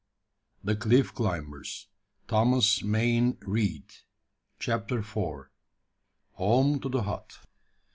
The Cliff Climbers by Captain Mayne Reid CHAPTER FOUR. HOME TO THE HUT.